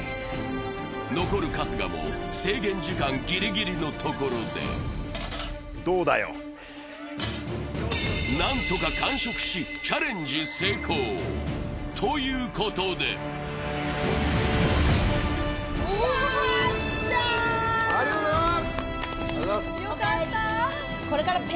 残る春日も制限時間ギリギリのところでなんとか完食し、チャレンジ成功ということでありがとうございます。